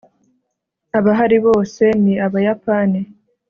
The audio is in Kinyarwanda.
Abahari bose ni abayapani